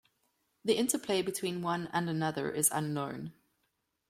The interplay between one and another is unknown.